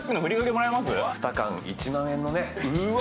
２缶１万円のねうわ